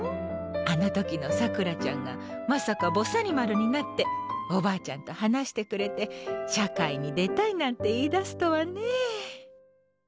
あの時のさくらちゃんがまさか、ぼさにまるになっておばあちゃんと話してくれて社会に出たいなんて言い出すとはね。